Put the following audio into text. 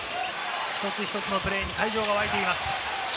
一つ一つのプレーに会場が沸いています。